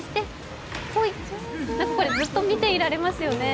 これずっと見ていられますよね。